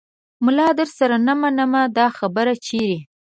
ملا درسره نه منمه دا خبره چیرې